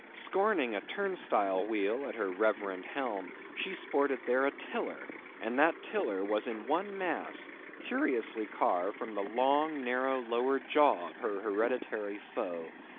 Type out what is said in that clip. Scorning a turnstile wheel at her reverend helm, she sported there a tiller; and that tiller was in one mass, curiously carved from the long narrow lower jaw of her hereditary foe.